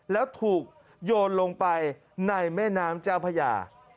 แล้วถูกโยนลงไปในแม่น้ำเจ้าพญา